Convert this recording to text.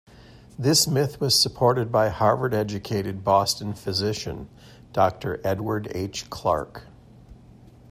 This myth was supported by Harvard-educated Boston physician Doctor Edward H. Clarke.